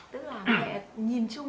tức là mẹ nhìn chung